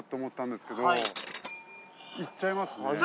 いっちゃいますね。